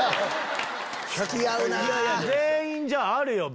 全員じゃああるよ